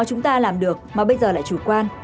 chúng ta làm được mà bây giờ lại chủ quan